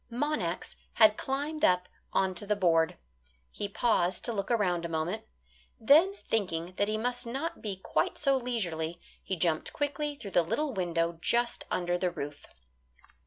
Monax had climbed up onto the board. He paused to look around a moment. Then thinking that he must not be quite so leisurely, he jumped quickly through the little window just under the roof.